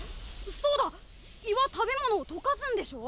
そうだ胃は食べ物を溶かすんでしょ？